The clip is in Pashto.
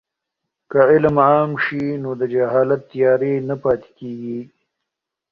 که علم عام سي نو د جهالت تیارې نه پاتې کېږي.